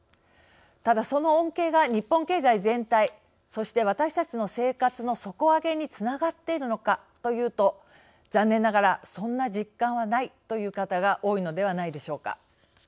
ただその恩恵が日本経済全体そして私たちの生活の底上げにつながっているのかというと残念ながら「そんな実感はない」という方が多いのではないでしょうか。